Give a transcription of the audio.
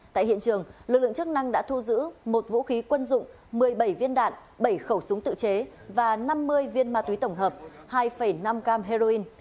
tại hiện trường lực lượng chức năng đã thu giữ một vũ khí quân dụng một mươi bảy viên đạn bảy khẩu súng tự chế và năm mươi viên ma túy tổng hợp hai năm gram heroin